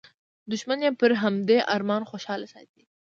دوښمن یې پر همدې ارمان خوشحال ساتلی.